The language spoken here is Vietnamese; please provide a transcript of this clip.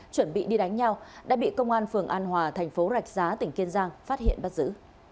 chuẩn bị đi đánh nhau đã bị công an phường an hòa thành phố rạch giá tỉnh kiên giang phát hiện bắt giữ